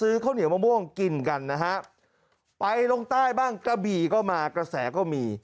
ซื้อข้าวเหนียวมะม่วงกินกันนะฮะไปลงใต้บ้างกระบี่ก็มากระแสก็มี